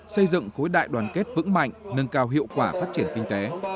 xây dựng khối đại đoàn kết vững mạnh nâng cao hiệu quả phát triển kinh tế